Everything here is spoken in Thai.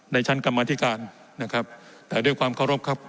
ชั้นกรรมธิการนะครับแต่ด้วยความเคารพครับ